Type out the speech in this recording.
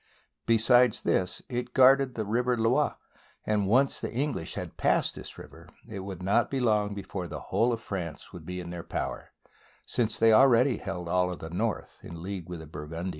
Besides this, it guarded the River Loire, and once the English had passed this river it would not be long before the whole of France would be in their power, since they already held all the north in league with the Burgundians.